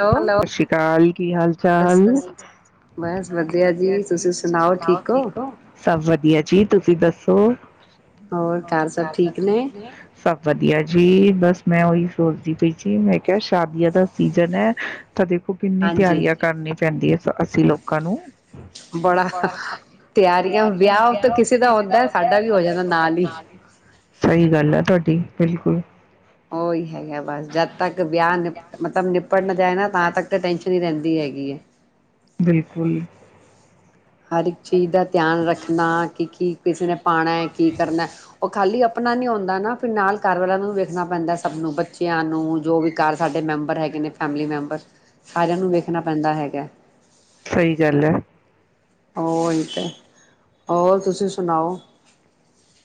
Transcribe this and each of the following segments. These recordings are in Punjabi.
ਹੈਲੋ ਲੋ ਸਤ ਸ਼੍ਰੀ ਅਕਾਲ ਕੀ ਹਾਲ ਸਤਿ ਚਾਲ ਸ਼੍ਰੀ ਅਕਾਲ ਜੀ। ਬਸ ਵਧਆ ਜ ਤੁਸੀ ਸੁਣਾਓ ਠੀਕ ਹੋ ਸਬ ਵਧਆ ਜੀ ਤੁਸੀਂ ਦੱਸੋ ਹੋਰ ਹੋਰ ਘਰ ਸਭ ਠੀਕ ਨੇ ਸਭ ਵਧੀਆ ਜੀ ਬਸ ਮੈਂ ਉਹੀ ਸੋਚਦੀ ਪਈ ਸੀ ਮੈਂ ਕਿਹਾ ਸ਼ਾਦੀਆਂ ਦਾ ਸੀਜਨ ਹੈ। ਤਾਂ ਦੇਖੋ ਕਿੰਨੀ ਹਾਂਜੀ ਤਿਆਰੀਆਂ ਕਰਨੀ ਪੈਂਦੀ ਹੈ। ਅਸੀਂ ਲੋਕਾਂ ਨੂੰ ਬੜਾ ਤਿਆਰੀਆਂ ਵਿਆਹ ਤਾਂ ਕਿਸੇ ਦਾ ਹੁੰਦਾ ਸਾਡਾ ਵੀ ਹੋ ਜਾਂਦਾ ਨਾਲ ਹੀ ਸਹੀ ਗੱਲ ਹੈ ਤੁਹਾਡੀ ਬਿਲਕੁਲ ਉਹੀ ਹੈਗਾ ਬਸ ਜਦ ਤੱਕ ਵਿਆਹ ਨਿਪ ਮਤਲਬ ਨਿਪਟ ਪੱੜ੍ਹ ਨਾ ਜਾਏ ਨਾ ਤਾਂ ਤੱਕ ਤਾਂ ਟੈਂਸ਼ਨ ਈ ਰਹਿੰਦੀ ਹੈਗੀ। ਕੀ ਐ। ਬਿਲਕੁਲ ਹਰ ਇੱਕ ਚੀਜ਼ ਦਾ ਧਿਆਨ ਰੱਖਣਾ ਕਿ ਕੀ ਕਿਸੇ ਨੇ ਪਾਣਾ ਏ ਕੀ ਕਰਨਾ ਉਹ ਖਾਲੀ ਆਪਣਾ ਨੀ ਉਂਦਾ ਨਾ ਫ ਨਾਲ ਘਰ ਵਾਲਿਆਂ ਨੂੰ ਵੀ ਵੇਖਣਾ ਪੈਂਦਾ ਸਭ ਨੂੰ। ਬੱਚਿਆਂ ਨੂੰ ਜੋ ਵੀ ਘ ਸਾਡੇ ਮੈਂਬਰ ਹੈਗੇ ਨੇ ਫੈਮਲੀ ਮੈਂਬਰ। ਸਾਰਿਆਂ ਨੂੰ ਵੇਖਣਾ ਪੈਂਦਾ ਹੈਗਾ। ਸਹੀ ਗੱਲ ਹੈ ਓਹੀ ਤੇ। ਹੋਰ ਤੁਸੀਂ ਸੁਣਾਓ।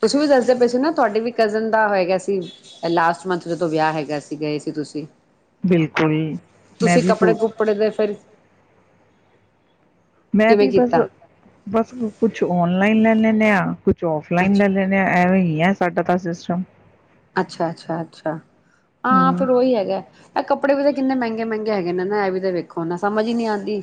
ਤੁਸੀਂ ਵੀ ਦੱਸਦੇ ਪਏ ਸੀ ਨਾ ਤੁਹਾਡੇ ਵੀ ਕਜ਼ਨ ਦਾ ਹੋਗਾ ਸੀ ਲਾਸਟ ਮੰਥ। ਜਦੋਂ ਵਿਆਹ ਹੈਗਾ ਸੀ, ਗਏ ਸੀ ਤੁਸੀਂ। ਬਿਲਕੁਲ ਮੈਂ ਤੁਸੀਂ ਵੀ ਸ ਕੱਪੜੇ ਕੁਪੜੇ ਦੇ ਫਿਰ ਮੈਂ ਕਿਵੇਂ ਵੀ ਬਸ ਕੀਤਾ ਬਸ ਕੁਛ ਔਨਲਾਈਨ ਲੈਂਲ ਨੇ ਆ ਚ ਔਫਲਾਈਨ ਲੈ ਅੱਛਾ ਲੈਂਲੇ ਆ। ਐਵੇਂ ਈ ਐ ਸਾਡਾ ਤਾਂ। [unintelligible] ਅੱਛਾ ਅੱਛਾ ਅੱਛਾ ਹਾਂ ਫਿਰ ਉਹੀ ਹੈਗਾ ਇਹ ਕੱਪੜੇ ਵੀ ਤੇ ਕਿੰਨੇ ਮਹਿੰਗੇ -ਮਹਿੰਗੇ ਹੈਗੇ ਨੇ ਨਾ। ਇਹ ਵੀ ਤੇ ਵੇਖੋ ਨਾ। ਸਮਝ ਹੀ ਨੀ ਆਂਦੀ।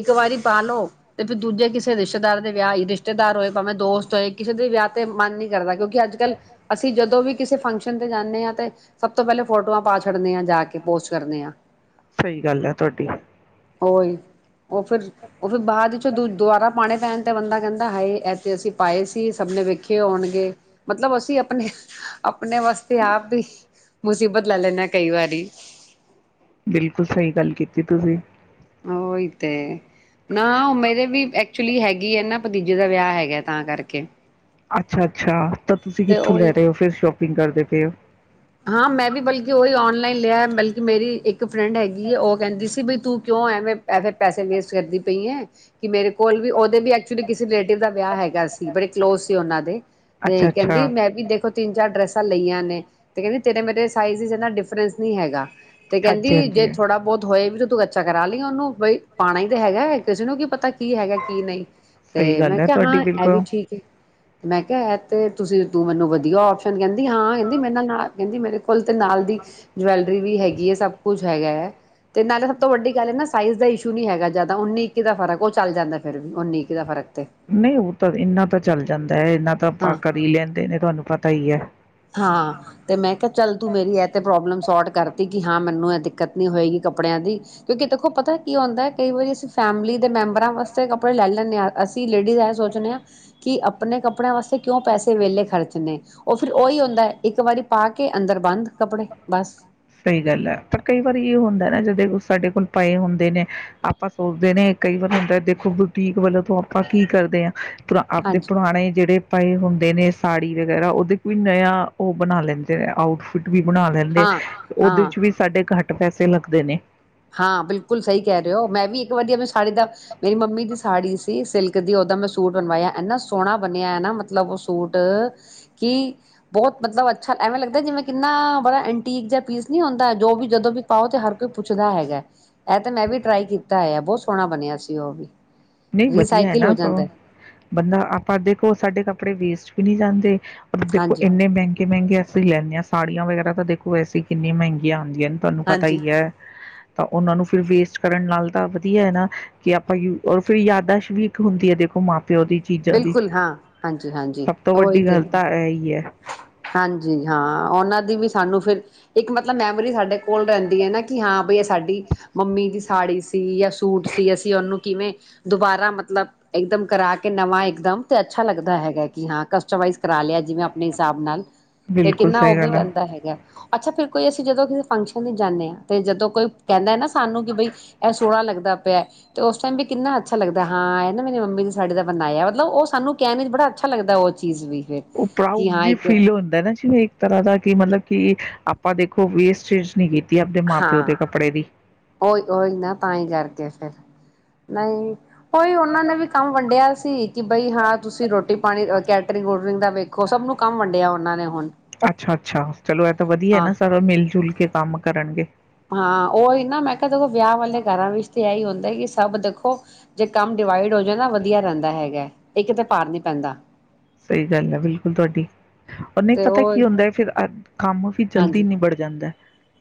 ਇੱਕ ਵਾਰੀ ਪਾ ਲੋ ਤੇ ਫਿਰ ਦੂਜੇ ਕਿਸੇ ਰਿਸ਼ਤੇਦਾਰ ਦੇ ਵਿਆਹ ਈ। ਰਿਸ਼ਤੇਦਾਰ ਹੋਏ ਭਾਵੇਂ ਦੋਸਤ ਹੋਏ ਕਿਸੇ ਦੇ ਵਿਆਹ ਤੇ ਮਨ ਨੀ ਕਰਦਾ। ਕਿਉਂਕਿ ਅੱਜ ਕੱਲ੍ਹ ਅਸੀਂ ਜਦੋਂ ਵੀ ਕਿਸੇ ਫੰਕਸ਼ਨ ਤੇ ਜਾਂਦੇ ਆਂ ਤੇ ਸਭ ਤੋਂ ਪਹਿਲੇ ਫੋਟੋਆਂ ਪਾ ਛੱਡਨੇ ਆ। ਜਾ ਕੇ ਪੋਸਟ ਕਰਨੇ ਆ। ਸਹੀ ਗੱਲ ਹੈ ਤੁਹਾਡੀ। ਓਹੀ ਉਹ ਫਿਰ ਉਹ ਫਿਰ ਬਾਅਦ ਵਿੱਚੋਂ ਦ ਦੁਬਾਰਾ ਪਾਣੇ ਪੈਣ ਤੇ ਬੰਦਾ ਕਹਿੰਦਾ ਹਾਏ ਐ ਤੇ ਅਸੀਂ ਪਾਏ ਸੀ। ਸਭ ਨੇ ਵੇਖੇ ਹੋਣਗੇ। ਮਤਲਬ ਅਸੀਂ ਆਪਣੇ ਆਪਣੇ ਵਾਸਤੇ ਆਪ ਈ ਮੁਸੀਬਤ ਲੈ ਲੈਂਦੇ ਕਈ ਵਾਰੀ। ਬਿਲਕੁਲ ਸਹੀ ਗੱਲ ਕੀਤੀ ਤੁਸੀਂ। ਓਹੀ ਤੇ ਨਾ ਉਹ ਮੇਰੇ ਵੀ ਐਕਚੁਲੀ ਹੈਗੀ ਏ ਨਾ ਭਤੀਜੇ ਦਾ ਵਿਆਹ ਹੈਗਾ ਤਾਂ ਕਰਕੇ। ਅੱਛਾ ਅੱਛਾ ਤਾਂ ਤੁਸੀਂ ਤੇ ਕਿੱਥੋਂ ਲੈ ਉਹੀ ਰਏ ਓ। ਫਿਰ ਸ਼ੋਪਿੰਗ ਕਰਦੇ ਪਏ ਓ। ਹਾਂ ਮੈਂ ਵੀ ਬਲਕਿ ਉਹੀ ਔਨਲਾਇ- ਨਲਾਈਨ ਲਿਆ ਬਲਕਿ ਮੇਰੀ ਇੱਕ ਫਰੈਂਡ ਹੈਗੀ ਏ, ਉਹ ਕਹਿੰਦੀ ਸੀ ਵੀ ਤੂੰ ਕਿਉਂ ਐਵੇਂ ਪੈਸੇ ਵੇਸਟ ਕਰਦੀ ਪਈ ਏ। ਕੀ ਮੇਰੇ ਕੋਲ ਵੀ ਉਹਦੇ ਵੀ ਐਕਚੁਲੀ ਕਿਸੇ ਰਿਲੇਟਿਵ ਦਾ ਵਿਆਹ ਹੈਗਾ ਸੀ। ਬੜੇ ਕਲੋਜ ਸੀ ਉਹਨਾਂ ਦੇ। ਤੇ ਅੱਛਾ ਅੱਛਾ ਕਹਿੰਦੀ ਮੈਂ ਵੀ ਦੇਖੋ ਤਿੰਨ ਚਾਰ ਡਰੈਸਾਂ ਲਈਆਂ ਨੇ ਤੇ ਕਹਿੰਦੇ ਤੇਰੇ ਕਿਉਂਕਿ ਮੇਰੇ ਸਾਈਜ਼ 'ਚ ਏਨਾ ਡਿਫਰੈਂਸ ਨਹੀਂ ਹੈਗਾ। ਤੇ ਸਾਈਜ਼ ਜਿਹੜਾ ਕਹਿੰਦੀ ਫਿਟਨੈਸ ਜੇ ਨਹੀਂ ਹੈਗਾ। ਹਾਂਜੀ ਹਾਂਜੀ ਮੈਂ ਥੋੜਾ ਬਹੁਤ ਹੋਏ ਵੀ- ਤੂੰ ਕੱਚਾ ਕਰਾ ਲਈ ਉਹਨੂੰ ਬਈ ਪਾਉਣਾ ਈ ਤੇ ਹੈਗਾ ਕਿਸੇ ਨੂੰ ਕੀ ਪਤਾ ਕੀ ਹੈਗਾ ਕੀ ਨਹੀਂ ਕਿਵੇਂ ਨਿਕਲਦਾ। ਤੇ ਸਹੀ ਗੱਲ ਮੈਂ ਹੈ ਕਿਹਾ ਤੁਹਾਡੀ ਹਾਂ ਇਹ ਬਿਲਕੁਲ ਵੀ ਠੀਕ ਏ ਤੇ ਮੈਂ ਕਿਹਾ ਤੇ ਤੁਸੀਂ ਤੂੰ ਮੈਨੂੰ ਵਧੀਆ ਓਪਸ਼ਨ ਕਹਿੰਦੀ ਹਾਂ ਕਹਿੰਦੀ ਮੇਰੇ ਨਾਲ ਕਹਿੰਦੀ ਮੇਰੇ ਕੋਲ ਤੇ ਨਾਲ ਦੀ ਜਵੈਲਰੀ ਵੀ ਹੈਗੀ ਐ ਸਭ ਕੁੱਛ ਹੈਗਾ ਹੈ ਤੇ ਨਾਲੇ ਸਭ ਤੋਂ ਵੱਡੀ ਗੱਲ ਹੈ ਨਾ ਸਾਈਜ਼ ਦਾ ਇਸ਼ੂ ਨੀ ਹੈਗਾ ਜਿਆਦਾ ਉਨੀ ਇੱਕ ਦਾ ਫਰਕ ਉਹ ਚੱਲ ਜਾਂਦਾ ਫਿਰ ਉਨੀ ਇੱਕ ਦਾ ਫਰਕ ਤੇ ਨਹੀਂ ਉਹ ਤਾਂ ਇਨਾ ਤਾਂ ਚੱਲ ਜਾਂਦਾ ਐ ਇਹਨਾ ਤਾਂ ਹਾਂ ਆਪਾਂ ਕਰੀ ਲੈਂਦੇ ਨੇ ਤੁਹਾਨੂੰ ਪਤਾ ਈ ਐ ਹਾਂ ਤੇ ਮੈਂ ਕਿਹਾ ਚੱਲ ਤੂੰ ਮੇਰੀ ਇਹ ਤੇ ਪ੍ਰੋਬਲਮ ਸੋਟ ਕਰਤੀ ਕਿ ਹਾਂ ਮੈਨੂੰ ਇਹ ਦਿੱਕਤ ਨੀ ਹੋਏਗੀ ਕੱਪੜਿਆਂ ਦੀ ਕਿਉਂਕਿ ਦੇਖੋ ਪਤਾ ਕੀ ਹੁੰਦਾ ਕਈ ਵਾਰੀ ਅਸੀਂ ਫੈਮਲੀ ਦੇ ਮੈਂਬਰਾਂ ਵਾਸਤੇ ਕੱਪੜੇ ਲੈ ਲੈਂਨੇ ਆ ਅਸੀਂ ਲੇਡੀਜ਼ ਇਹ ਸੋਚਦੇ ਹਾਂ ਕਿ ਆਪਣੇ ਕੱਪੜਿਆਂ ਵਾਸਤੇ ਕਿਉਂ ਪੈਸੇ ਵਹਲੇ ਖਰਚਣੇ ਉਹ ਫਿਰ ਓਹੀ ਹੁੰਦਾ ਇੱਕ ਵਾਰੀ ਪਾ ਕੇ ਅੰਦਰ ਬੰਦ ਕੱਪੜੇ ਬਸ ਸਹੀ ਗੱਲ ਐ ਪਰ ਕਈ ਵਾਰੀ ਇਹ ਹੁੰਦਾ ਨਾ ਜਦੋਂ ਸਾਡੇ ਕੋਲ ਪਏ ਹੁੰਦੇ ਨੇ ਆਪਾਂ ਸੋਚਦੇ ਨੇ ਕਈ ਵਾਰ ਹੁੰਦਾ ਦੇਖੋ ਬੁਟੀਕ ਵੱਲੋਂ ਤੋਂ ਆਪਾਂ ਕੀ ਕਰਦੇ ਆ ਪੁਰਾ ਆਪਦੇ ਹਾਂਜੀ ਪੁਰਾਣੇ ਜਿਹੜੇ ਪਏ ਹੁ ਦੇ ਨੇ ਸਾੜੀ ਵਗੈਰਾ ਉਹਦੇ ਕੋਈ ਨਯਾ ਓਹ ਬਣਾ ਲੈਂਦੇ ਨੇ ਆਊਟਫਿਟ ਵੀ ਬਣਾ ਲੈਂਦੇ ਹਾਂ ਉਹਦੇ ਹਾਂ ਚ ਵੀ ਸਾਡੇ ਘੱਟ ਪੈਸੇ ਲੱਗਦੇ ਨੇ ਹਾਂ ਬਿਲਕੁਲ ਸਹੀ ਕਹਿ ਰਹੇ ਹੋ ਮੈਂ ਵੀ ਇੱਕ ਵਧੀਆ [unintelligible] ਸਾੜੀ ਦਾ ਮੇਰੀ ਮੰਮੀ ਦੀ ਸਾੜੀ ਸੀ ਸਿਲਕ ਦੀ ਉਹਦਾ ਮੈਂ ਸੂਟ ਬਣਵਾਇਆ ਇੰਨਾ ਸੋਹਣਾ ਬਣਿਆ ਐ ਨਾ ਮਤਲਬ ਉਹ ਸੂਟ ਕਿ ਬਹੁਤ ਮਤਲਬ ਅੱਛਾ ਐਵੇਂ ਲੱਗਦਾ ਜਿਵੇਂ ਕਿੰਨਾ ਬੜਾ ਐੰਟੀਕ ਜਾਂ ਪੀਸ ਨੀ ਆਉਂਦਾ ਜੋ ਵੀ ਜਦੋਂ ਵੀ ਪਾਓ ਤੇ ਹਰ ਕੋਈ ਪੁੱਛ ਦਾ ਹੈਗਾ ਇਹ ਤੇ ਮੈਂ ਵੀ ਟਰਾਈ ਕੀਤਾ ਐ ਬਹੁਤ ਸੋਹਣਾ ਬਣਿਆ ਸੀ ਉਹ ਵੀ ਨਹੀਂ ਵਧੀਆ ਹੈ ਰੀਸਾਈਕਲ ਹੋ ਨਾ ਜਾਂਦਾ ਸੋ ਹੈ। ਬੰਦਾ ਆਪਾਂ ਦੇਖੋ ਸਾਡੇ ਕ ਪੜੇ ਵੇਸਟ ਵੀ ਨੀ ਜਾਂਦੇ ਦੇਖੋ ਹਾਂਜੀ। ਇੰਨੇ ਮਹਿੰਗੇ-ਮਹਿੰਗੇ ਅਸੀਂ ਲੈਂਨੇ ਆ ਸਾੜੀਆਂ ਵਗੈਰਾ ਤਾਂ ਦੇਖੋ ਵੈਸੀ ਕਿੰਨੀ ਮਹਿੰਗੀਆ ਆ ਦੀਆ ਤੁਹਾਨੂੰ ਪਤਾ ਹਾਂਜੀ। ਈ ਐ ਤਾਂ ਉਹਨਾਂ ਨੂੰ ਫਿਰ ਵੇਸਟ ਕਰਨ ਨਾਲ ਤਾਂ ਵਧੀਆ ਹੈ ਨਾ ਕਿ ਆਪਾਂ ਯੂ ਔਰ ਫੇਰ ਯਾਦਾਸ਼ ਵੀ ਇੱਕ ਹੁੰਦੀ ਹੈ ਦੇਖੋ ਮਾਂ ਪਿਓ ਦੀ ਚੀਜ਼ਾਂ ਦੀ ਬਿਲਕੁਲ ਹਾਂ ਹਾਂਜੀ-ਹਾਂਜੀ ਸਭ ਤੋਂ ਉਹੀ ਵੱਡੀ ਤੇ ਗੱਲ ਹੈ। ਤਾਂ ਇਹ ਹੀ ਐ ਹਾਂਜੀ ਹਾਂ ਉਹਨਾਂ ਦੀ ਵੀ ਸਾਨੂੰ ਫਿਰ ਇੱਕ ਮਤਲਬ ਮੈਮਰੀ ਸਾਡੇ ਕੋਲ ਰਹਿੰਦੀ ਐ ਨਾ ਕਿ ਹਾਂ ਬਈ ਇਹ ਸਾਡੀ ਮੰਮੀ ਦੀ ਸਾੜੀ ਸੀ ਜਾਂ ਸੂਟ ਸੀ ਅਸੀਂ ਉਹਨੂੰ ਕਿਵੇਂ ਦੁਬਾਰਾ ਮਤਲਬ ਇੱਕਦਮ ਕਰਾ ਕੇ ਕਿ ਨਵਾਂ ਇੱਕਦਮ ਤੇ ਅੱਛਾ ਲੱਗਦਾ ਹੈਗਾ ਕਿ ਹਾਂ ਕਸਟਮਾਈਜ਼ ਕਰਾ ਲਿਆ ਜਿਵੇਂ ਆਪਣੇ ਹਿਸਾਬ ਨਾਲ ਤੇ ਬਿਲਕੁਲ ਕਿੰਨਾ ਸਹੀ ਉਹ ਵੀ ਗੱਲ ਆ। ਰਹਿੰਦਾ ਹੈਗਾ ਅੱਛਾ ਫਿਰ ਕੋਈ ਅਸੀਂ ਜਦੋਂ ਕਿਸੇ ਫੰਕਸ਼ਨ ਦੀ ਜਾਂਨੇ ਆ ਤੇ ਜਦੋਂ ਕੋਈ ਕਹਿੰਦਾ ਐ ਨਾ ਸਾਨੂੰ ਕਿ ਬਈ ਇਹ ਸੋਹਣਾ ਲੱਗਦਾ ਪਿਆ ਤੇ ਉਸ ਟਾਈਮ ਵੀ ਕਿੰਨਾ ਅੱਛਾ ਲੱਗਦਾ ਹਾਂ ਇਹ ਨਾ ਮੇਰੀ ਮੰਮੀ ਦੀ ਸਾਡੀ ਦਾ ਬਣਾਇਆ ਮਤਲਬ ਉਹ ਸਾਨੂੰ ਕਹਿਣੇ ਚ ਬੜਾ ਅੱਛਾ ਲੱਗਦਾ ਉਹ ਚੀਜ਼ ਵੀ ਫਿਰ ਉਹ ਕਿ ਪ੍ਰਾਊਡ ਹਾਂ ਦੀ ਇੱਕ ਫੀਲ ਹੁੰਦਾ ਨਾ ਜਿਵੇਂ ਇੱਕ ਤਰ੍ਹਾਂ ਦਾ ਕਿ ਮਤਲਬ ਕਿ ਤਾ ਦੇਖੋ ਵੇਸਟੇਜ ਨ ਗੀ। ਹਾਂ, ਉਹੀ-ਓਹੀ ਨਾ ਤਾਂਹੀ ਕਰਕੇ ਫਿਰ ਨਹੀਂ, ਉਈ ਉਹਨਾਂ ਨੇ ਵੀ ਕੰਮ ਵੰਡਿਆ ਸੀ ਕਿ, ਬਈ ਹਾਂ ਤੁਸੀਂ ਰੋਟੀ ਪਾਣੀ ਕੈਟਰਿੰਗ ਵੂਟਰਿੰਗ ਦਾ ਦੇਖੋ, ਸਭ ਨੂੰ ਕੰਮ ਵੰਡਿਆ ਉਹਨਾਂ ਨੇ ਹੁਣ ਅੱਛਾ ਅੱਛਾ ਚਲੋ ਇਹ ਤਾਂ ਵਧੀਆ ਹਾਂ ਨਾ ਸਾਰ ਮਿਲ ਜੁਲ ਕੇ ਕੰਮ ਕਰਨਗੇ। ਹਾਂ, ਉਹੀ ਨਾ ਮੈਂ ਕਿਹਾ ਜਦੋਂ ਵਿਆਹ ਵਾਲੇ ਘਰਾਂ ਵਿੱਚ ਤੇ ਆ ਹੀ ਹੁੰਦਾ। ਕਿ ਸਭ ਦੇਖੋ ਜੇ ਕੰਮ ਡਿਵਾਈਡ ਹੋ ਜਾ ਨਾ ਵਧੀਆ ਰਹਿੰਦਾ ਹੈਗਾ ਹੈ। ਇੱਕਤੇ ਭਾਰ ਨੀ ਪੈਂਦਾ। ਸਹੀ ਗੱਲ ਹੈ ਬਿਲਕੁਲ ਤੁਹਾਡੀ। ਉਹਨੇ ਤੇ ਪਤਾ ਉਹ ਕੀ ਹੁੰਦਾ ਹੈ ਫਿਰ, ਕੰਮ ਵੀ ਜਲਦੀ ਹਾਂਜੀ ਨਿਬੜ ਜਾਂਦਾ।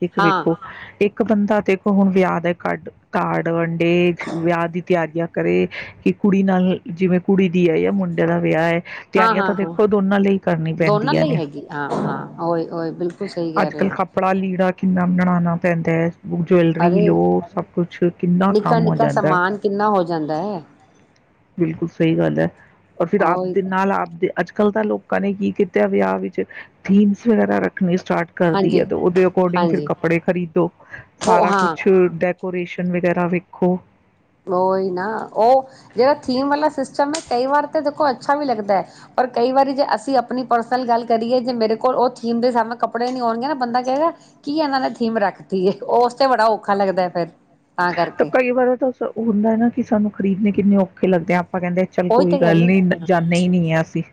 ਇੱਕ ਹਾਂ ਵੇਖੋ ਇੱਕ ਇੱਕ ਬੰਦਾ ਦੇਖੋ, ਹੁਣ ਵਿਆਹ ਦਾ ਕਡ- ਕਾਰਡ ਵੰਡੇ, ਵਿਆਹ ਦੀ ਤਿਆਰੀਆਂ ਕਰੇ, ਕਿ ਕੁੜੀ ਨਾਲ ਜਿਵੇਂ ਕੁੜੀ ਦੀ ਹੈ ਜਾਂ ਮੁੰਡੇ ਦਾ ਵਿਆਹ ਹੈ। ਹਾਂ ਤਿਆਰੀਆਂ ਹਾਂ ਤਾਂ ਹਾਂ ਦੇਖੋ ਦੋਨਾਂ ਲਈ ਕਰਨੀ ਦੋਨਾਂ ਪੈਂਦੀਆਂ ਲਈ ਨੇ, ਹੈਗੀ ਹਾਂ ਹਾਂ ਉਹੀ ਉਹੀ ਬਿਲਕੁਲ ਸਹੀ ਕਹਿ ਅੱਜ ਰਹੇ ਕੱਲ੍ਹ ਹੋ ਕੱਪੜਾ ਲੀੜਾ ਕਿੰਨਾ ਬਣਾਉਣਾ। ਪੈਂਦਾ ਜਵੈਲਰੀ ਅਰੇ ਲੋ, ਸਭ ਕੁਛ ਕਿੰਨਾ ਨਿੱਕਾ ਕੰਮ ਹੋ ਨਿੱਕਾ ਜਾਂਦਾ। ਸਮਾਨ ਕਿੰਨਾ ਹੋ ਜਾਂਦਾ ਹੈ ਬਿਲਕੁਲ ਸਹੀ ਗੱਲ ਹੈ। ਔਰ ਫਿਰ ਆਪਦੇ ਉਹੀ ਨਾਲ ਆਪ ਅੱਜ ਕੱਲ੍ਹ ਤਾਂ ਲੋਕਾਂ ਨੇ ਕੀ ਕੀਤਾ ਵਿਆਹ ਵਿੱਚ ਥੀਮਸ ਵਗੈਰਾ ਰੱਖਣੀ ਸਟਾਰਟ ਕਰਦੀ ਹੈ, ਹਾਂਜੀ ਤੇ ਉਹਦੇ ਅਕੋਰਡਿੰਗ ਫਿਰ ਹਾਂਜੀ ਕੱਪੜੇ ਖਰੀਦੋ। ਉਹ ਸਾਰਾ ਹਾਂ ਕੁੱਛ ਔਰੇਸ਼ਨ ਵਗੈਰਾ ਵੇਖੋ ਉਹੀ ਨਾ ਉਹ, ਜਿਹੜਾ ਥੀਮ ਵਾਲਾ ਸਿਸਟਮ ਹੈ ਕਈ ਵਾਰ ਤਾਂ ਦੇਖੋ ਅੱਛਾ ਵੀ ਲੱਗਦਾ ਹੈ, ਪਰ ਕਈ ਵਾਰੀ ਜੇ ਅਸੀਂ ਆਪਣੀ ਪਰਸਨਲ ਗੱਲ ਕਰੀਏ ਜੇ ਮੇਰੇ ਕੋਲ ਉਹ ਥੀਮ ਦੇ ਸਾਹਮਣੇ ਕੱਪੜੇ ਨੀ ਹੋਣਗੇ ਨਾ ਬੰਦਾ ਕਹਿਗਾ ਕੀ ਇਹਨਾਂ ਨੇ ਥੀਮ ਰੱਖਤੀ ਹੈ, ਉਹ ਉਸ ਤੇ ਬੜਾ ਔਖਾ ਲੱਗਦਾ ਹੈ ਫਿਰ ਤਾਂ ਤ ਕਰਕੇ ਕਈ ਬਰਤ ਹੁੰਦਾ ਨਾ ਕਿ ਸਾਨੂੰ ਖਰੀਦਣੇ ਕਿੰਨੇ ਔਖੇ ਲੱਗਦੇ ਆ ਆਪਾਂ ਆਪਾ ਕਹਿੰਦੇ ਚੱਲ ਉਹੀ ਕੋਈ ਤਾਂ ਕਹਿ ਗੱਲ ਰਹੀ ਨੀ, ਜਾਣੇ ਨੀ ਆ ਅਸੀਂ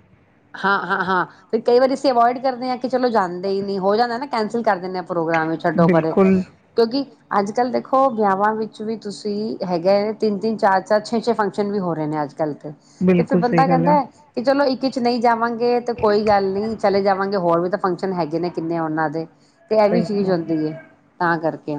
ਹਾਂ, ਹਾਂ, ਹਾਂ ਤੇ ਕਈ ਵਾਰੀ ਅਸੀਂ ਅਵੋਇਡ ਕਰਦੇ ਹਾਂ ਕਿ ਚਲੋ ਜਾਂਦੇ ਹੀ ਨਹੀਂ, ਹੋ ਜਾਂਦਾ ਨਾ ਕੈਂਸਲ ਕਰ ਦਿੰਦੇ ਆ ਪ੍ਰੋਗਰਾਮ ਵੀ ਛੱਡੋ ਪਰੇ ਬਿਲਕੁਲ ਕਿਉਂਕਿ ਅੱਜ ਕੱਲ੍ਹ ਦੇਖੋ ਵਿਆਹਾਂ ਵਿੱਚ ਵੀ ਤੁਸੀਂ ਹੈਗਾ ਤਿੰਨ- ਤਿੰਨ, ਚਾਰ- ਚਾਰ, ਛੇ- ਛੇ ਫੰਕਸ਼ਨ ਵੀ ਹੋ ਰਹੇ ਨੇ ਅੱਜ ਹੈ। ਤੇ ਫਿਰ ਬਿਲਕੁਲ ਬੰਦਾ ਸਹੀ ਗੱਲ ਕਹਿੰਦਾ ਆ। ਹੈ ਕਿ ਚਲੋ ਇੱਕ ਕਿ ਨਹੀਂ ਜਾਵਾਂਗੇ ਤੇ ਕੋਈ ਗੱਲ ਨੀ, ਚਲੇ ਜਾਵਾਂਗੇ ਹੋਰ ਵੀ ਤਾਂ ਫੰਕਸ਼ਨ ਹੈਗੇ ਨੇ ਕਿੰਨੇ ਉਹਨਾਂ ਦੇ। ਤੇ ਇਹ ਵੀ ਸਹੀ ਗੱਲ ਚੀਜ਼ ਆ। ਹੁੰਦੀ। ਤਾਂ ਕਰਕੇ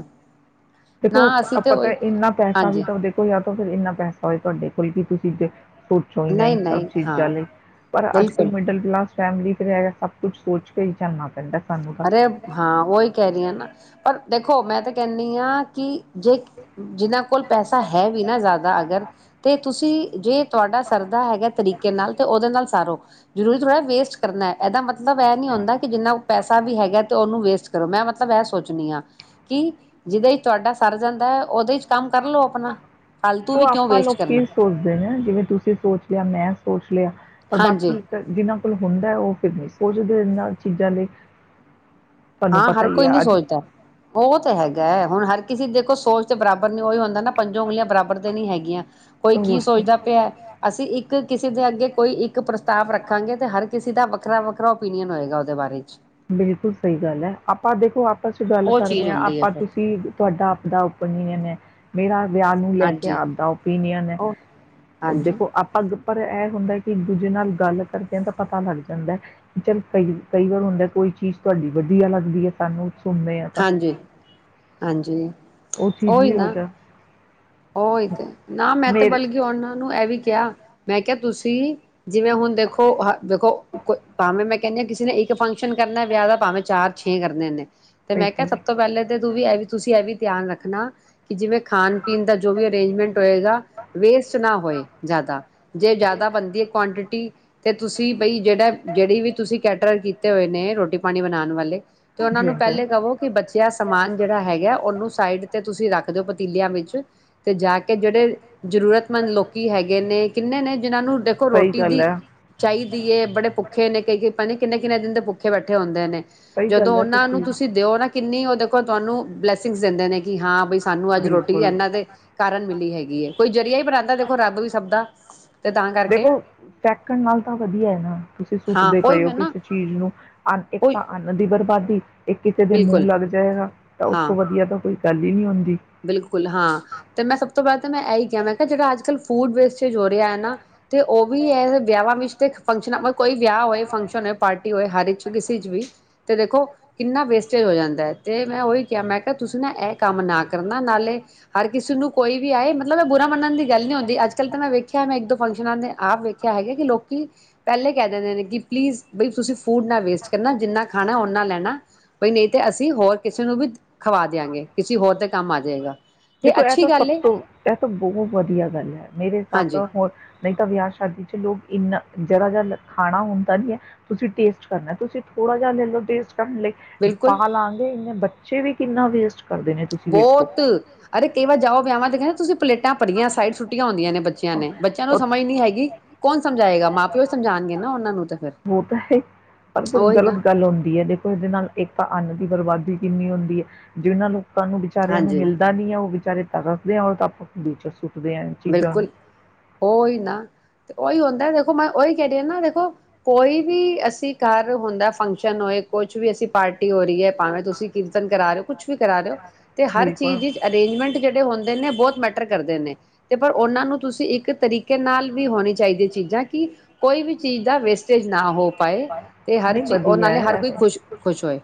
ਦੇਖੋ ਨਾ ਅਸੀਂ ਤੇ ਆਪਾਂ ਤਾਂ ਉਹੀ ਇੰਨਾ ਪੈਸਾ ਵੀ ਹਾਂਜੀ ਤਾਂ ਦੇਖੋ ਜਾਂ ਤਾਂ ਫਿਰ ਇੰਨਾ ਪੈਸਾ ਹੋਏ ਤੁਹਾਡੇ [unintelligible] ਸੋਚੋ ਹੀ ਨਹੀਂ ਸਭ ਨਹੀਂ-ਨਹੀਂ ਚੀਜ਼ ਹਾਂ ਲਈ, ਪਰ ਅੱਜ ਬਿਲਕੁਲ ਕੱਲ੍ਹ ਮਿਡਲ ਕਲਾਸ ਫੈਮਿਲੀ ਤੇ ਹੈਗਾ ਸਭ ਕੁੱਛ ਸੋਚ ਕੇ ਹੀ ਚੱਲਣਾ ਪੈਂਦਾ। ਸਾਨੂੰ ਤਾਂ। ਅਰੇ ਹਾਂ ਉਹੀ ਕਹਿ ਰਹੀ ਆ ਨਾ, ਪਰ ਦੇ ਦੇਖੋ ਮੈਂ ਤੇ ਕਹਿਣੀ ਹਾਂ, ਕਿ ਜੇ ਜਿਹਨਾਂ ਕੋਲ ਪੈਸਾ ਹੈ ਵੀ ਨਾ ਜ਼ਿਆਦਾ ਅਗਰ, ਤੇ ਤੁਸੀਂ ਜੇ ਤੁਹਾਡਾ ਸਰਦਾ ਹੈਗਾ ਤਰੀਕੇ ਨਾਲ ਤਾਂ ਉਹਦੇ ਨਾਲ ਸਾਰੋ। ਜ਼ਰੂਰੀ ਥੋੜ੍ਹਾ ਵੇਸਟ ਕਰਨਾ ਹੈ, ਇਹਦਾ ਮਤਲਬ ਇਹ ਨੀ ਹੁੰਦਾ ਕਿ ਜਿੰਨਾ ਕੁ ਪੈਸਾ ਜਾਂ ਤੇ ਉਹਨੂੰ ਵੇਸਟ ਕਰੋ, ਮੈਂ ਮਤਲਬ ਇਹ ਸੋਚਣੀ ਹਾਂ, ਕਿ ਜਿਹਦੇ ਚ ਤੁਹਾਡਾ ਸਰ ਜਾਂਦਾ ਹੈ, ਉਹਦੇ ਚ ਕੰਮ ਕਰ ਲਓ ਆਪਣਾ ਫਾਲਤੂ ਉਹ ਵੀ ਕਿਉਂ ਆਪਾਂ ਵੇਸਟ ਕਰਨਾ ਲੋਕੀ ਸੋਚਦੇ ਏ, ਜਿਵੇਂ ਤੁਸੀਂ ਸੋਚ ਲਿਆ, ਮੈਂ ਸੋਚ ਲਿਆ। ਪਰ ਹਾਂਜੀ ਬਾਕੀ ਤਾਂ ਜਿਹਨਾਂ ਕੋਲ ਹੁੰਦਾ ਉਹ ਫਿਰ ਨਹੀਂ ਸੋਚਦੇ ਨਾਲ ਚੀਜ਼ਾਂ ਲਈ ਤੁਹਾਨੂੰ ਹਾਂ ਪਤਾ ਹਰ ਹੀ ਕੋਈ ਹੈ ਨੀ ਅੱਜ ਸੋਚਦਾ, ਉਹ ਤਾਂ ਹੈਗਾ, ਹੁਣ ਹਰ ਕਿਸੇ ਦੇਖੋ ਸੋਚ ਤੇ ਬਰਾਬਰ ਨੀ, ਉਹੀ ਹੁੰਦਾ ਨਾ ਪੰਜੋਂ ਉਂਗਲੀਆਂ ਬਰਾਬਰ ਤੇ ਨਹੀਂ ਹੈਗੀਆਂ। ਕੋਈ ਕੀ ਸੋਚਦਾ ਪਿਆ, ਅਸੀਂ ਇੱਕ ਕਿਸੇ ਦੇ ਅੱਗੇ ਕੋਈ ਇੱਕ ਪ੍ਰਸਤਾਵ ਰੱਖਾਂਗੇ, ਤੇ ਹਰ ਕਿਸੇ ਦਾ ਵੱਖਰਾ ਵੱਖਰਾ ਓਪੀਨੀਅਨ ਹੋਏਗਾ, ਉਹਦੇ ਬਾਰੇ 'ਚ। ਬਿਲਕੁਲ। ਸਹੀ ਗੱਲ ਹੈ, ਆਪਾਂ ਦੇਖੋ ਆਪਸ ਚ ਗੱਲ ਉਹ ਚੀਜ਼ ਕਰਦੇ ਹਾਂ, ਹੁੰਦੀ ਹੈ ਆਪਾਂ ਫਿਰ ਤੁਸੀਂ ਤੁਹਾਡਾ ਆਪ ਦਾ। ਏ ਮੈਂ ਮੇਰਾ ਵਿਆਹ ਨੂੰ ਲੈ ਕੇ ਹਾਂਜੀ ਆਵਦਾ ਓਪੀਨੀਅਨ ਹੈ, ਉਹ ਹਾਂਜੀ ਦੇਖੋ ਆਪਾਂ ਗ ਪਰ ਇਹ ਹੁੰਦਾ, ਕਿ ਦੂਜੇ ਨਾਲ ਗੱਲ ਕਰਦਿਆਂ ਤਾਂ ਪਤਾ ਲੱਗ ਜਾਂਦਾ ਚੱਲ ਕਈ ਕਈ ਵਾਰ ਹੁੰਦੇ। ਕੋਈ ਚੀਜ਼ ਤੁਹਾਡੀ ਵਧੀਆ ਲੱਗਦੀ ਹੈ ਸਾਨੂੰ। ਸੁਣਦੇ ਹਾਂ ਤਾਂ ਹਾਂਜੀ ਹਾਂਜੀ। ਉਹ ਚੀਜ਼ ਉਹੀ ਵੀ ਹੋ ਨਾ, ਜਾ ਉਹੀ ਤੇ ਨਾ ਮੈਂ ਤੇ ਮੇਰੇ ਬਲਕੀ ਉਹਨਾਂ ਨੂੰ ਏਹ ਇਹ ਵੀ ਕਿਹਾ, ਮੈਂ ਕਿਹਾ ਤੁਸੀਂ ਜਿਵੇਂ ਹੁਣ ਦੇਖੋ ਦੇਖੋ ਕੁ ਭਾਵੇਂ ਮੈਂ ਕਹਿੰਦੇ ਕਿਸੇ ਨੇ ਇੱਕ ਫਕ ਫੰਕਸ਼ਨ ਕਰਨਾ ਵਿਆਹ ਦਾ, ਭਾਵੇਂ ਚਾਰ ਛੇ ਕਰਨੇ ਨੇ। ਤੇ ਮੈਂ ਕਿਹਾ, ਬਿਲਕੁਲ ਸਭ ਤੋਂ ਪਹਿਲੇ ਤੇ ਤੂੰ ਵੀ ਇਹ ਵੀ ਤੁਸੀਂ ਇਹ ਵੀ ਧਿਆਨ ਰੱਖਣਾ, ਕਿ ਜਿਵੇਂ ਖਾਣ ਪੀਣ ਦਾ ਜੋ ਵੀ ਅਰੇਂਜਮੈਂਟ ਹੋਏਗਾ, ਵੇਸਟ ਨਾ ਹੋਏ ਜ਼ਿਆਦਾ, ਜੇ ਜ਼ਿਆਦਾ ਬਣਦੀ ਹੈ ਕੁਆਂਟਿਟੀ ਤੇ ਤੁਸੀਂ। ਬਈ ਜਿਹੜਾ ਜਿਹੜੀ ਵੀ ਤੁਸੀਂ ਕੈਟਰ ਕੀਤੇ ਹੋਏ ਨੇ ਰੋਟੀ ਪਾਣੀ ਬਣਾ ਣ ਵਾਲੇ- ਤੇ ਉਹਨਾਂ ਹਾਂਜੀ ਨੂੰ ਪਹਿਲੇ ਕਵੋ ਕਿ ਬੱਚਿਆ ਸਮਾਨ ਜਿਹੜਾ ਹੈਗਾ ਉਹਨੂੰ ਸਾਈਡ ਤੇ ਤੁਸੀਂ ਰੱਖ ਦੇ ਪਤੀਲਿਆਂ ਵਿੱਚ ਹਾਂਜੀ ਅਤੇ ਜਾ ਕੇ ਜਿਹੜੇ ਜ਼ਰੂਰਤਮੰਦ ਲੋਕੀ ਹੈਗੇ ਨੇ ਕਿੰਨੇ ਨੇ ਜਿਹਨਾਂ ਨੂੰ ਦੇਖੋ ਸਹੀ ਰੋਟੀ ਗੱਲ ਦੀ ਹੈ। ਚਾਹੀਦੀ ਹੈ। ਬੜੇ ਭੁੱਖੇ ਨੇ ਕਈ-ਕਈ ਪਤਾ ਨੀ ਕਿੰਨੇ-ਕਿੰਨੇ ਦਿਨ ਦੇ ਭੁੱਖੇ ਬੈਠੇ ਹੁੰਦੇ ਨੇ ਸਹੀ ਜਦੋਂ ਗੱਲ ਹੈ। ਉਹਨਾਂ ਨੂੰ ਤੁਸੀਂ ਤੁਸੀਂ ਦਿਓ ਨਾ ਕਿੰਨੀ ਉਹ ਦੇਖੋ ਤੁਹਾਨੂੰ ਬਲੈਸਿੰਗ ਦਿੰਦੇ ਨੇ ਕਿ ਹਾਂ ਬਈ ਸਾਨੂੰ ਅੱਜ ਰੋਟੀ ਇਹਨਾਂ ਦੇ ਕਾਰਨ ਮਿਲੀ ਹੈਗੀ ਕੋਈ ਜ਼ਰੀਆ ਈ ਕਰਕੇ ਦੇਖੋ ਫੈਕਣ ਨਾਲ ਤਾਂ ਵਧੀਆ ਏ। ਨਾ ਤੁਸੀਂ ਹਾਂ ਸੁੱਟਦੇ ਉਹੀ ਪਏ ਹੋ ਮੈਂ ਨਾ ਕਿਸੇ ਚੀਜ਼ ਨੂੰ ਅੰਨ ਇੱਕ ਉਹੀ ਤਾਂ ਅੰਨ ਦੀ ਬਰਬਦ ਠੀਕ। ਇੱਕ ਕਿਸੇ ਦੇ ਮੂੰਹ ਬਿਲਕੁਲ ਲੱਗ ਜਾਏਗਾ ਤਾਂ ਉਸ ਹਾਂ ਤੋਂ ਵਧੀਆ ਤਾਂ ਕੋਈ ਗੱਲ ਹੀ ਨੀ ਹੁੰਦੀ ਬਿਲਕੁਲ ਹਾਂ ਤੇ ਮੈਂ ਸਭ ਤੋਂ ਬਾਅਦ ਮੈਂ ਇਹੀ ਕਿਹਾ ਮੈਂ ਕਿਹਾ ਜਿਹੜਾ ਅੱਜ ਕੱਲ ਫੂਡ ਵੇਸਟੇਜ ਹੋ ਰਿਹਾ ਹੈ। ਨਾ ਤੇ ਉਹ ਵੀ ਇਹ ਵਿਆਹਾਂ ਵਿੱਚ ਤੇ ਫੰਕਸ਼ਨਾਂ ਕੋਈ ਵਿਆਹ ਹੋਵੇ ਫੰਕਸ਼ਨ ਹੋਏ ਪਾਰਟੀ ਹੋਏ ਹਰ ਚ ਕਿਸੇ ਚ ਵੀ ਤੇ ਦੇਖੋ ਕਿੰਨਾ ਵੇਸਟੇਜ ਹੋ ਜਾਂਦਾ ਹੈ। ਤੇ ਮੈਂ ਉਹੀ ਕਿਹਾ ਮੈਂ ਕਿਹਾ ਤੁਸੀਂ ਨਾ ਇਹ ਕੰਮ ਨਾ ਕਰ ਕਰਨਾ ਨਾਲੇ ਹਰ ਕਿਸੇ ਨੂੰ ਕੋਈ ਵੀ ਆਏ ਮਤਲਬ ਮੈਂ ਬੁਰਾ ਮੰਨਣ ਦੀ ਗੱਲ ਨੀ ਹੁੰਦੀ। ਅੱਜ ਕੱਲ ਤਾਂ ਮੈਂ ਵੇਖਿਆ ਮੈ ਇੱਕ-ਦੋ ਫੰਕਸ਼ਨਾਂ ਦੇ ਆਪ ਵੇਖਿਆ ਹੈਗਾ ਕਿ ਲੋਕੀ ਪਹਿਲੇ ਕਹਿ ਦਿੰਦੇ ਨੇ ਕਿ ਪਲੀਜ਼ ਬਈ ਤੁਸੀਂ ਫੂਡ ਨਾ ਵੇਸਟ ਕਰਨਾ ਜਿੰਨਾ ਖਾਣਾ ਓਨਾ ਲੈਣਾ ਬਈ ਨਹੀਂ ਤੇ ਅਸੀਂ ਹੋਰ ਕਿਸੇ ਨੂੰ ਵੀ ਖਵਾ ਦਿਆਂਗੇ ਕਿਸੇ ਹੋਰ ਤ ਕੰਮ ਆ ਜਾਏਗਾ। ਦੇਖੋ ਇਹ ਤਾਂ ਸਭ ਤੋਂ ਇਹ ਤਾਂ ਬਹੁਤ ਵਧੀਆ ਗੱਲ ਹੈ। ਮੇਰੇ ਹਿਸਾਬ ਹਾਂਜੀ ਨਾਲ ਹੋ ਨਹੀਂ ਤਾਂ ਵਿਆਹ ਸ਼ਾਦੀ ਚ ਲੋਕ ਇੰਨਾ ਜਿਹੜਾ ਜਿਹਾ ਖਾਣਾ ਹੁੰਣ ਤਾਂ ਨੀ ਹੈ। ਤੁਸੀਂ ਟੇਸਟ ਕਰਨਾ ਤੁਸੀਂ ਥੋੜਾ ਜਿਹਾ ਲੈ ਲਓ ਟੇਸਟ [inaudible] ਬਿਲਕੁਲ ਪਾਲਾਂਗੇ ਬੱਚ ਫਿਰ ਵੀ ਕਿੰਨਾ ਵੇਸਟ ਕਰਦੇ ਨੇ ਤੁਸੀਂ ਵੇਖੋ ਬਹੁਤ ਅਰੇ ਕਈ ਵਾਰੀ ਜਾਓ ਵਿਆਵਾਂ ਤੇ ਕਹਿੰਦਾ ਤੁਸੀਂ ਪਲੇਟ ਭਰੀਆਂ ਸਾਈਡ ਛੁੱਟੀਆਂ ਹੁੰਦੀਆਂ ਨੇ ਬੱਚਿਆਂ ਨੇ ਬੱਚਿਆਂ ਨੂੰ ਸਮਝ ਨੀ ਹੈਗੀ ਔਰ ਕੌਣ ਸਮਝਾਏਗਾ ਮਾਂ ਪਿਓ ਸਮਝਾਉਣਗੀਆਂ ਨਾ ਉਹਨਾਂ ਨੂੰ ਤੇ ਫਿਰ ਫਿਰ ਉਹੀ ਗਲਤ ਨਾ ਗੱਲ ਹੁੰਦੀ ਹੈ ਦੇਖੋ ਇਹਦੇ ਨਾਲ ਇੱਕ ਤਾਂ ਅੰਨ ਦੀ ਬਰਬਾਦੀ ਕਿੰਨੀ ਹੁੰਦੀ ਹੈ। ਜਿਹਨਾਂ ਲੋਕ ਤੁਹਾਨੂੰ ਵਿਚਾਰਿਆਂ ਨੂੰ ਹਾਂਜੀ ਮਿਲਦਾ ਨੀ ਹੈ। ਉਹ ਵਿਚਾਰੇ ਤਾਂ ਦੱਸਦੇ ਆ' ਹੋਣ ਤਾਂ ਆਪਾਂ ਬਚ। ਬਿਲਕੁਲ ਓਈ ਨਾ। ਉਹੀ ਹੁੰਦਾ ਦੇਖੋ ਮੈਂ ਉਹੀ ਕਹਿ ਦ ਹ ਨਾ ਦੇਖੋ ਕੋਈ ਵੀ ਅਸੀਂ ਘਰ ਹੁੰਦਾ ਫੰਕਸ਼ਨ ਹੋਏ ਕੁਛ ਵੀ ਅਸੀਂ ਪਾਰਟੀ ਹੋ ਰਹੀ ਹੈ ਭਾਵੇਂ ਤੁਸੀਂ ਕੀਰਤਨ ਕਰਾ ਰਹੇ ਹੋ ਕੁਛ ਕੁਛ ਵੀ ਕਰਾ ਦਿਓ ਤੇ ਹਰ ਬਿਲਕੁਲ ਚੀਜ਼ ਵਿੱਚ ਅਰੇਂਜਮੈਂਟ ਜਿਹੜੇ ਹੁੰਦੇ ਨੇ ਬਹੁਤ ਮੈਟਰ ਕਰਦੇ ਨੇ। ਅਤੇ ਪਰ ਉਹਨਾਂ ਨੂੰ ਤੁਸੀਂ ਇੱਕ ਤਰੀਕੇ ਨਾਲ ਵੀ ਹੋਣੀ ਚਾਹੀਦੀ ਚੀਜ਼ਾਂ ਕਿ ਕੋਈ ਵੀ ਚੀਜ਼ ਦਾ ਵੇਸਟੇਜ ਨਾ ਹੋ ਪਾਏ ਤੇ ਹਰ ਚੀ ਉਹ ਨਹੀਂ ਵਧੀਆ ਨਾਲੇ ਹਰ ਹੈ ਕੋਈ ਖੁਸ਼ ਖੁਸ਼ ਹੋਏ।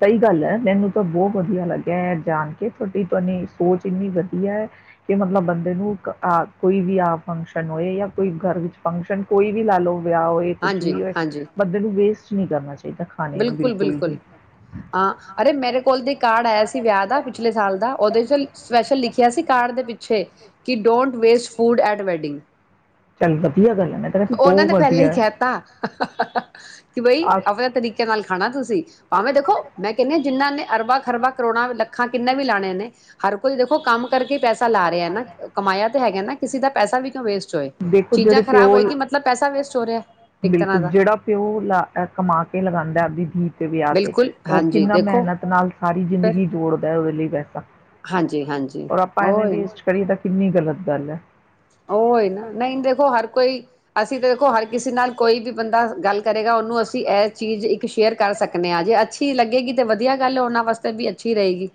ਸਹੀ ਗੱਲ ਹੈ ਮੈਨੂੰ ਤਾਂ ਬਹੁਤ ਵਧੀਆ ਲੱਗਿਆ ਹੈ ਜਾਣ ਕੇ ਤੁਹਾਡੀ ਤੁਾਨ ਸੋਚ ਇੰਨੀ ਵਧੀਆ ਹੈ ਕਿ ਮਤਲਬ ਬੰਦੇ ਨੂੰ ਕੋਈ ਵੀ ਆ ਫੰਕਸ਼ਨ ਹੋਏ ਜਾਂ ਕੋਈ ਘਰ ਵਿੱਚ ਫੰਕਸ਼ਨ ਕੋਈ ਵੀ ਲਾ ਲਓ ਵਿਆਹ ਹੋਏ ਕੁਛ ਹਾਂਜੀ ਵੀ ਹੋਏ ਹਾਂਜੀ ਬੰਦੇ ਨੂੰ ਵੇਸਟ ਨੀ ਕਰਨਾਦਾ ਚਾਹੀ ਤਾਂ ਖਾਣੇ ਨੂੰ ਬਿਲਕੁਲ ਹੀ ਹਾਂ ਅਰੇ ਮੇਰੇ ਕੋਲ ਦੇ ਕਾਰਡ ਆਇਆ ਸੀ ਵਿਆਹ ਦਾ ਪਿਛਲੇ ਸਾਲ ਦਾ ਉਹਦੇ ਚ ਸਪੈਸ਼ਲ ਲਿਖਿਆ ਸੀ ਕਾਰਡ ਦੇ ਪਿੱਛੇ ਕਿ don't waste food at wedding ਚੱਲ ਵਧੀਆ ਗੱਲ ਹੈ ਮੈਂ ਤਾਂ ਕਹਿੰਦੀ ਉਹਨਾਂ ਬਹੁਤ ਨੇ ਪਹਿਲੇ ਹੀ ਵਧੀਆ ਹੈ। ਕਹਿ ਤ ਕਿ ਬਈ ਆਸ਼ ਆਪਣਾ ਤਰੀਕਾ ਨਾਲ ਖਾਣਾ ਤੁਸੀਂ ਭਾਵੇਂ ਦੇਖੋ ਮੈਂ ਕਹਿੰਦੀ ਜਿਹਨ੍ਹਾਂ ਨੇ ਅਰਬਾਂ ਖਰਬਾ ਕਰੋੜਾਂ ਲੱਖਾਂ ਕਿੰਨੇ ਵੀ ਲਾਣੇ ਨੇ ਹਰ ਕੋਈ ਦੇਖੋ ਕੰਮ ਕਰਕੇ ਪੈਸੇ ਲਾ ਰਿਹਾ ਨਾ ਕਮਾਇਆ ਹੈਗਾ ਨਾ ਕਿਸੇ ਦਾ ਪੈਸਾ ਵੀ ਕਿਉਂ ਵੇਸਟ ਹੋਏ ਦੇਖੋ ਜਿਹੜੇ ਚੀਜ਼ਾਂ ਖ਼ਰਾਬ ਪਿਓ ਹੋਏਗੀ ਮਤਲਬ ਪੈਸਾ ਵੇਸਟ ਹੋ ਰਿਹਾ ਇੱਕ ਬਿਲਕੁਲ ਤਰ੍ਹਾਂ ਦਾ ਜਿਹੜਾ ਪਿਓ ਲਾ ਕਮਾ ਕੇ ਲਗਾਉਂਦਾ ਵਿਧ। ਵਿਆਹ ਤੇ ਬਿਲਕੁਲ ਉਹ ਹਾਂਜੀ ਕਿੰਨਾ ਦੇਖੋ ਮਿਹਨਤ ਨਾਲ ਸਾਰੀ ਫਿਰ ਜ਼ਿੰਦਗੀ ਜੋੜਦਾ ਉਹਦੇ ਲਈ। ਵੈਸਾ। ਹਾਂਜੀ ਹਾਂਜੀ ਓਈ। ਕਰੀਏ ਤਾਂ ਕਿੰਨੀ ਗ਼ਲਤ ਗੱਲ ਹੈ। ਉਹ ਹੀ ਨਾ ਨਹੀਂ ਦੇਖੋ ਹਰ ਕੋਈ ਅਸੀਂ ਤਾਂ ਦੇਖੋ ਹਰ ਕਿਸੇ ਨਾਲ ਕੋਈ ਵੀ ਬੰਦਾ ਗੱਲ ਕਰੇਗਾ ਉਹਨੂੰ ਅਸੀਂ ਇਹ ਚੀਜ਼ ਇੱਕ ਸ਼ੇਅਰ ਕਰ ਸਕਦੇ ਹਾਂ ਜੇ ਅੱਛੀ ਅੱਛੀ ਲੱਗੇਗੀ ਤੇ ਵਧੀਆ ਗੱਲ ਉਹਨਾਂ ਵਾਸਤੇ ਵੀ ਅੱਛੀ ਰਹੇਗੀ।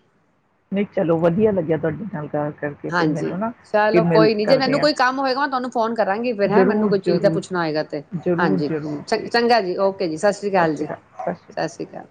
ਨਹੀਂ ਚਲੋ ਵਧੀਆ ਲੱਗਿਆ ਤੁਹਾਡੇ ਨਾਲ ਗੱਲ ਕਰਕੇ ਫਿਰ ਹਾਂਜੀ ਮੈਨੂੰ ਨਾ ਚਲੋ ਫਿਰ ਮਿਲ ਕੋਈ ਨੀ ਜੇ ਕਰਦੇ ਮੈਨੂੰ ਆ। ਕੋਈ ਕੰਮ ਹੋਏਗਾ ਤੁਹਾਨੂੰ ਫੋਨ ਕਰਾਂਗੀ ਫਿਰ ਹੈ ਮੈਨੂੰ ਜ਼ਰੂਰ ਕੋਈ ਚੀਜ਼ ਦਾ ਜ਼ਰੂਰ ਪੁੱਛਣਾ ਹੋਏਗਾ ਤੇ ਹਾਂਜੀ ਚ ਚੰਗਾ ਜੀ ਓਕੇ ਜੀ ਸਤਿ ਸ੍ਰੀ ਅਕਾਲ ਜੀ ਸਤਿ ਸ਼੍ਰੀ ਅਕਾਲ।